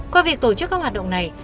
qua việc tổ chức các hoạt động này